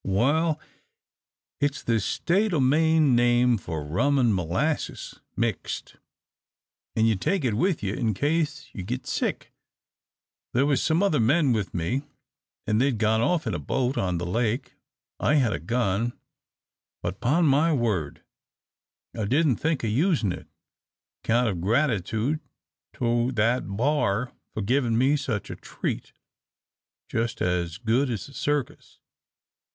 "Wal it's the State o' Maine name for rum an' molasses mixed, an' you take it with you in case you git sick. There was some other men with me, an' they'd gone off in a boat on the lake. I had a gun, but 'pon my word I didn't think o' usin' it, 'count of gratitude to that b'ar for givin' me such a treat just as good as a circus.